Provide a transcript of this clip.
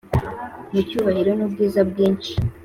Mu cyubahiro n'ubwiza bwinshi,